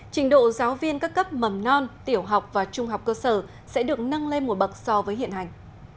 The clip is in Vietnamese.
trình độ giáo viên các cấp mầm non tiểu học và trung học cơ sở sẽ được nâng lên một bậc so với hiện hành